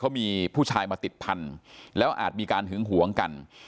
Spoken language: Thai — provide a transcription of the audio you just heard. เขามีผู้ชายมาติดพันธุ์แล้วอาจมีการหึงหวงกัน